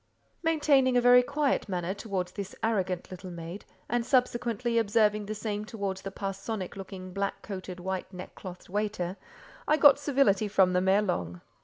Maintaining a very quiet manner towards this arrogant little maid, and subsequently observing the same towards the parsonic looking, black coated, white neckclothed waiter, I got civility from them ere long.